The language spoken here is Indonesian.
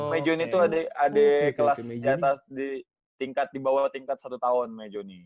meijoni tuh adek kelas di atas di tingkat di bawah tingkat satu tahun meijoni